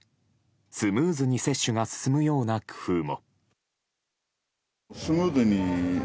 スムーズに接種が進むような工夫も。